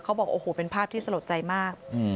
เขาบอกโอ้โหเป็นภาพที่สลดใจมาก